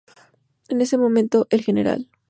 En ese momento, el Gral.